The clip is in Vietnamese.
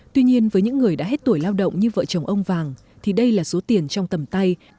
tuy nhiên với những người đã hết tuổi lao động như vợ chồng ông vàng thì đây là số tiền trong tầm tay